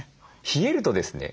冷えるとですね